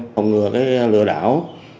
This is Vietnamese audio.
phòng ngừa cái lừa đảo